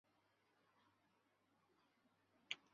它使得服务器和客户端之间实时双向的通信成为可能。